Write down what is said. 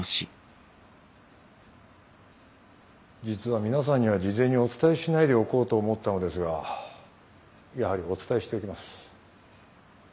実は皆さんには事前にお伝えしないでおこうと思ったのですがやはりお伝えしておきます。